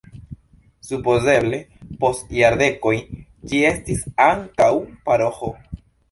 Supozeble post jardekoj ĝi estis ankaŭ paroĥo.